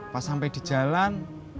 pas sampai di jalan